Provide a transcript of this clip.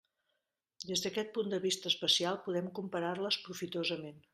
Des d'aquest punt de vista especial, podem comparar-les profitosament.